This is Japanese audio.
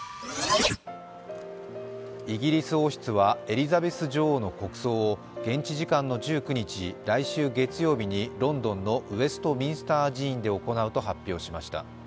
イギリス王室は、エリザベス女王の国葬を、現地時間の１９日、来週月曜日にロンドンのウェストミンスター寺院で行うと発表しました。